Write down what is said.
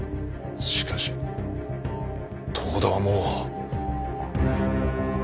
しかし遠田はもう。